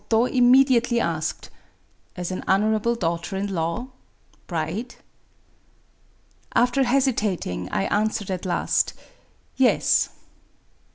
Goto immediately asked :—" As an honourable daughter in law [bride] i ' After hesitating, I answered at last :— "Yes."